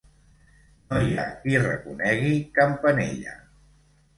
No hi ha qui reconegui Campanella.